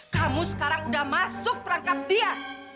kamu sekarang udah masuk perangkap dia